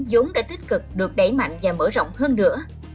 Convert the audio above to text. giống đã tích cực được đẩy mạnh và mở rộng hơn nữa